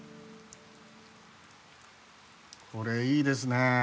これいいですね。